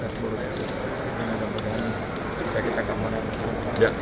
bagaimana keadaan keadaan bisa kita kemanusiaan